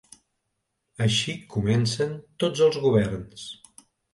Així comencen tots els governs.